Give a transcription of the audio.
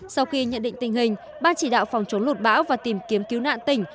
sau khi nhận định tình hình ban chỉ đạo phòng chống lụt bão và tìm kiếm cứu nạn tỉnh